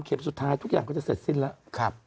สุดท้ายทุกอย่างก็จะเสร็จสิ้นแล้ว